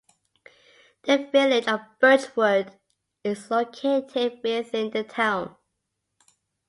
The Village of Birchwood is located within the town.